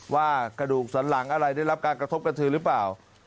ว่ากระดูกสันหลังอะไรได้รับการกระทบกระเทือหรือเปล่า